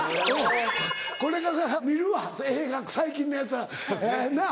これから見るわ映画最近のやつはなぁ。